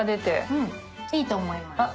うんいいと思います。